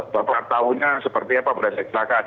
bapak tahunya seperti apa berada di belakang